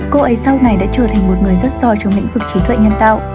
cô ấy sau này đã trở thành một người rất so trong lĩnh vực trí tuệ nhân tạo